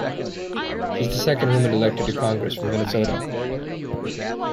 She is the second woman elected to Congress from Minnesota.